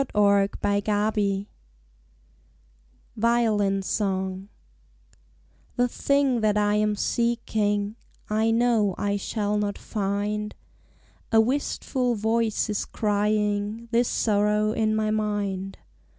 Vigils VIOLIN SONG The thing that I am seeking I know I shall not find. A wistful voice is crying This sorrow in my mind.